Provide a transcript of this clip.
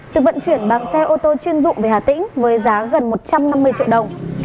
được vận chuyển bằng xe ô tô chuyên dụng về hà tĩnh với giá gần một trăm năm mươi triệu đồng